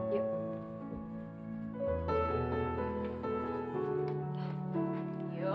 yuk sekarang waktunya bobo